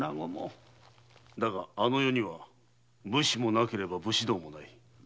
だがあの世には武士もなければ武士道もない。